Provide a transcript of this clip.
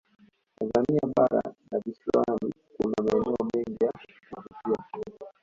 tanzania bara na visiwani kuna maeneo mengi ya kuvutia